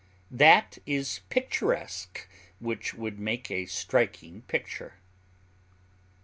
That is picturesque which would make a striking picture.